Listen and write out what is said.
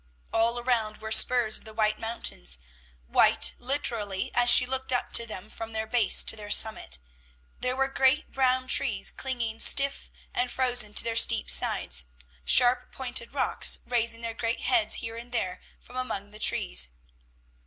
All around were spurs of the White Mountains, white, literally, as she looked up to them, from their base to their summit. There were great brown trees clinging stiff and frozen to their steep sides; sharp pointed rocks, raising their great heads here and there from among the trees.